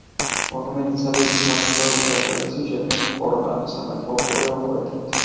მონუმენტის აგების სამუშაოების დაწყების წინ შექმნეს ყორღანი, სამეთვალყურეო მოედნით.